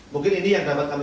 mungkin ini yang dapat kami